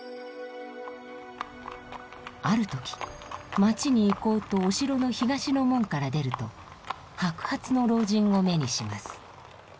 ある時町に行こうとお城の東の門から出ると白髪の老人を目にします。